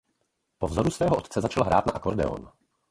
Po vzoru svého otce začal hrát na akordeon.